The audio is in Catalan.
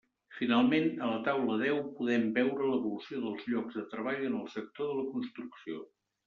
Finalment, a la taula deu podem veure l'evolució dels llocs de treball en el sector de la construcció.